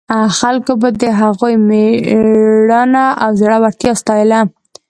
خلکو به د هغوی مېړانه او زړورتیا ستایله.